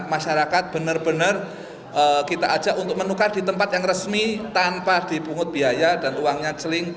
masyarakat benar benar kita ajak untuk menukar di tempat yang resmi tanpa dipungut biaya dan uangnya celing